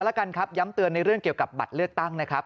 แล้วกันครับย้ำเตือนในเรื่องเกี่ยวกับบัตรเลือกตั้งนะครับ